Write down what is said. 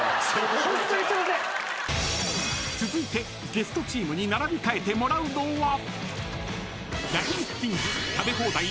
［続いてゲストチームに並び替えてもらうのは］